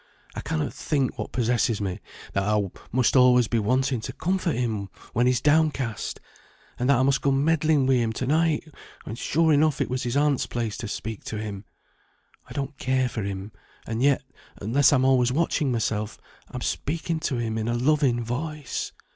I cannot think what possesses me, that I must always be wanting to comfort him when he's downcast, and that I must go meddling wi' him to night, when sure enough it was his aunt's place to speak to him. I don't care for him, and yet, unless I'm always watching myself, I'm speaking to him in a loving voice.